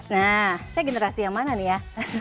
nah saya generasi yang mana nih ya